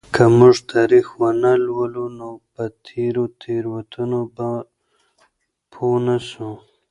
که موږ تاریخ ونه لولو نو په تېرو تېروتنو به پوه نسو.